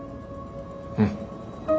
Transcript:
うん。